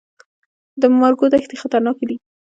د مارګو دښتې خطرناکې دي؟